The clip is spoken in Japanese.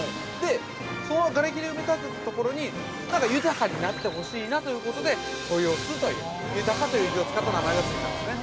その瓦れきで埋め立てたところに何か豊かになってほしいなということで、豊洲という「豊」という字を使った名前をつけたんですね。